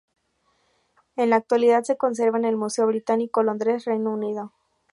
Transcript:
En la actualidad se conserva en el Museo Británico, Londres, Reino Unido.